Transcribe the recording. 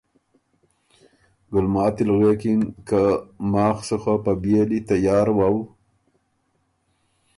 ګُلماتی غوېکِن که ”ماخ سُو خه په بئېلی تیار وؤ